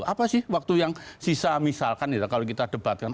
apa sih waktu yang sisa misalkan ya kalau kita debatkan